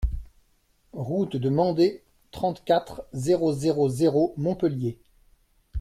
Route de Mende, trente-quatre, zéro zéro zéro Montpellier